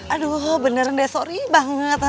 aduh beneran deh sorry banget